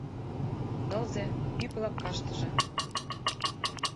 Тылзе — ӱп лапкаштыже.